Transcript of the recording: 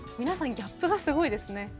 皆さんギャップがすごいですね。